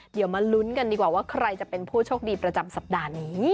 เดี๋ยวมาลุ้นกันดีกว่าว่าใครจะเป็นผู้โชคดีประจำสัปดาห์นี้